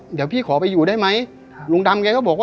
เดี๋ยวพี่ขอไปอยู่ได้ไหม